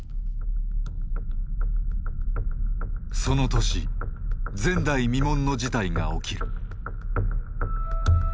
その年前代未聞の事態が起きる。